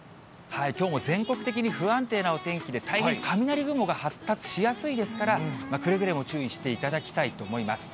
きょうも全国的に不安定なお天気で、大変雷雲が発達しやすいですから、くれぐれも注意していただきたいと思います。